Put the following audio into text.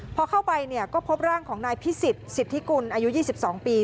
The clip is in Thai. พอเข้าไปเนี่ยก็พบร่างของนายพิศิษฐ์สิทธิกุลอายุยี่สิบสองปี